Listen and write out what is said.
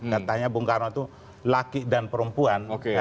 katanya bung karno itu laki dan perempuan